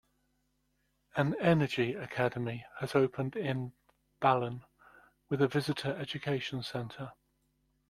An Energy Academy has opened in Ballen, with a visitor education center.